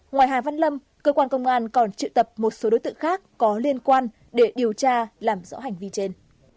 ngoài hà văn lâm cơ quan công an còn trự tập một số đối tượng khác có liên quan để điều tra làm rõ hành vi trên